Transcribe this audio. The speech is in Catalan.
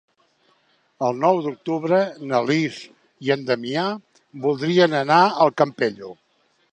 El nou d'octubre na Lis i en Damià voldrien anar al Campello.